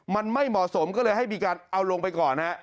มันไม่เหมาะสมก็เลยให้มีการเอาลงไปก่อนฮะ